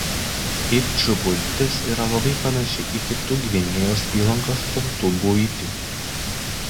Idžų buitis yra labai panaši į kitų Gvinėjos įlankos tautų buitį.